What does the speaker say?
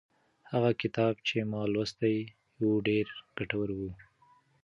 هغه کتاب چې ما لوستی و ډېر ګټور و.